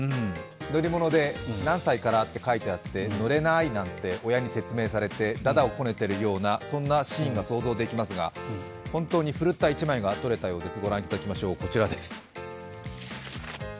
乗り物で何歳からと書いてあって乗れないなんて親に説明されて、だだをこねているようなそんなシーンが想像できますが、本当に振るった一枚が撮れたようです。